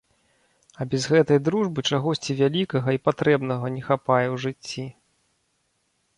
А без гэтай дружбы чагосьці вялікага і патрэбнага не хапае ў жыцці.